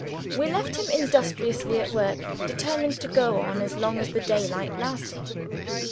We left him industriously at work; determined to go on as long as the daylight lasted.